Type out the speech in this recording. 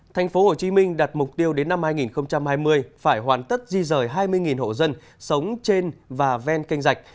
thành phố hồ chí minh đặt mục tiêu đến năm hai nghìn hai mươi phải hoàn tất di rời hai mươi hộ dân sống trên và ven kênh dạch